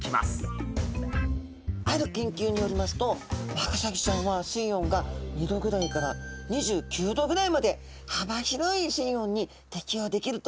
ある研究によりますとワカサギちゃんは水温が２℃ぐらいから２９℃ぐらいまで幅広い水温に適応できるということが分かってるそうなんです。